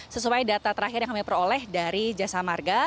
sesuai data terakhir yang kami peroleh dari jasa marga